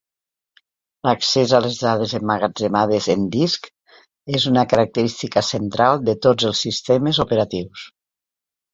L'accés a les dades emmagatzemades en discs és una característica central de tots els sistemes operatius.